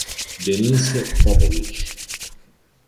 Denis Popović